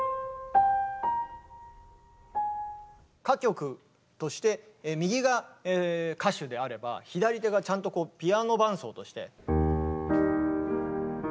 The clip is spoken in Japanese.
歌曲として右が歌手であれば左手がちゃんとピアノ伴奏として。